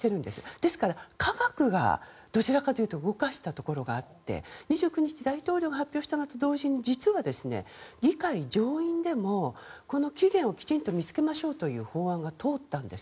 ですから、科学がどちらかというと動かしたところがあって２６日に大統領が発表したのと同時に実は、議会上院でも起源をきちんと見つけましょうという法案が通ったんです。